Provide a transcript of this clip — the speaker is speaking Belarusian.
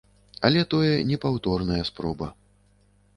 Але тое непаўторная спроба.